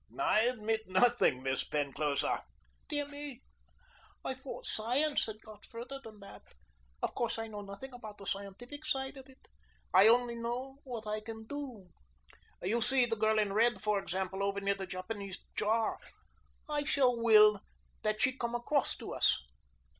"I admit nothing, Miss Penclosa." "Dear me, I thought science had got further than that. Of course I know nothing about the scientific side of it. I only know what I can do. You see the girl in red, for example, over near the Japanese jar. I shall will that she come across to us."